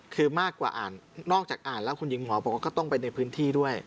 คือมากกว่าอ่านนอกจากอ่านแล้วคุณหญิงหมอบอกว่าก็ต้องไปในพื้นที่ด้วย